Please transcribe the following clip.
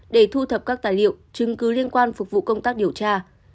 để thu thập các tài liệu chứng cứ liên quan phục vụ công tác điều tra